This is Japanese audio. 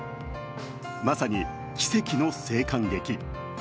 まさに、奇跡の生還劇。